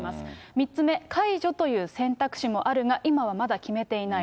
３つ目、解除という選択肢もあるが今はまだ決めていない。